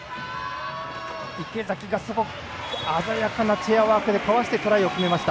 池崎が鮮やかなチェアワークでかわしてトライを決めました。